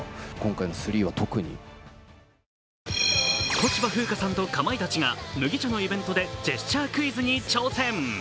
小芝風花さんとかまいたちが麦茶のイベントでジェスチャークイズに挑戦。